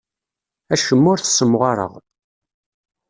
Acemma ur t-ssemɣareɣ.